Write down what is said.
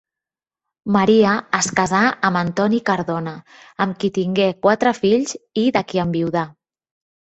Maria es casà amb Antoni Cardona, amb qui tingué quatre fills i de qui enviudà.